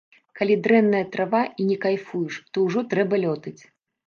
Калі дрэнная трава і не кайфуеш, то ўжо трэба лётаць.